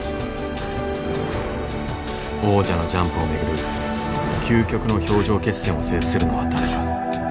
王者のジャンプを巡る究極の氷上決戦を制するのは誰か。